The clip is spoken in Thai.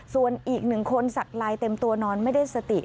ส่วนอีกหนึ่งคนสักลายเต็มตัวนอนไม่ได้สติ